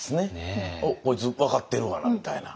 「おっこいつ分かってるがな」みたいな。